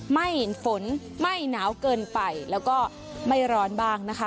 ไม่ฝนไม่หนาวเกินไปแล้วก็ไม่ร้อนบ้างนะคะ